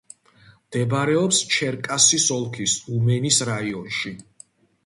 მდებარეობს ჩერკასის ოლქის უმენის რაიონში.